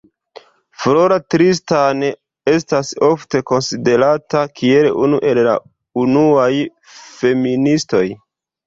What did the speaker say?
Flora Tristan estas ofte konsiderata kiel unu el la unuaj feministoj.